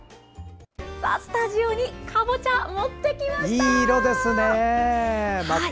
スタジオにかぼちゃ持って来ました。